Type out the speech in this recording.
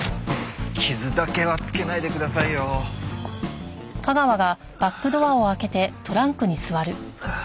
傷だけはつけないでくださいよ。ああ。